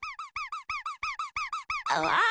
わあ！